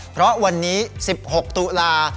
เพราะวันนี้๑๖ตุลา